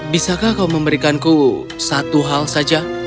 bisakah kau memberikanku satu hal saja